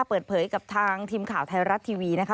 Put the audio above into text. เปิดเผยกับทางทีมข่าวไทยรัฐทีวีนะคะ